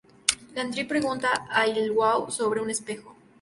Lan Di pregunta a Iwao sobre un espejo.